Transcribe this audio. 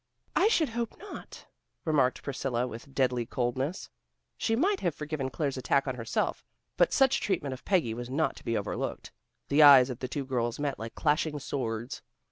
"I should hope not," remarked Priscilla with deadly coldness. She might have forgiven Claire's attack on herself, but such treatment of Peggy was not to be overlooked. The eyes of the two girls met like clashing swords.